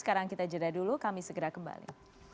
sekarang kita jeda dulu kami segera kembali